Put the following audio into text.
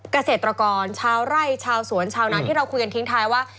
เกษตรกรชาวไร่ชาวสวนชาวนานที่เราคุยกันทิ้งท้ายว่า